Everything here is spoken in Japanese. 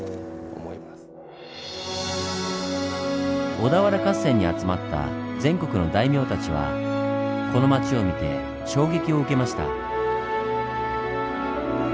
小田原合戦に集まった全国の大名たちはこの町を見て衝撃を受けました。